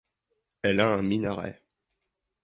Elle a un minaret.